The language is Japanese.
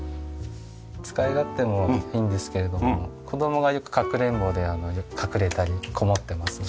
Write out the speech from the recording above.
使い勝手もいいんですけれども子供がよくかくれんぼで隠れたりこもってますね。